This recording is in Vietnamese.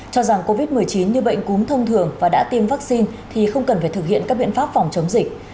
cho rằng covid một mươi chín như bệnh cúm thông thường và đã tiêm vaccine thì không cần phải thực hiện các biện pháp phòng chống dịch